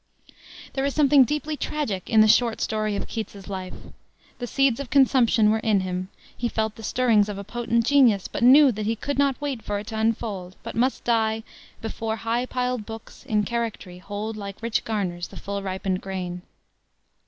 There is something deeply tragic in the short story of Keats's life. The seeds of consumption were in him; he felt the stirrings of a potent genius, but knew that he could not wait for it to unfold, but must die "Before high piled books, in charactry Hold like rich garners the full ripened grain."